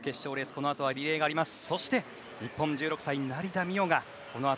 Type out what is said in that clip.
このあとはリレーがあります。